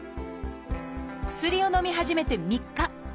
薬をのみ始めて３日。